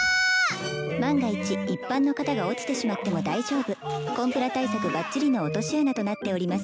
・万が一一般の方が落ちてしまっても大丈夫コンプラ対策バッチリの落とし穴となっております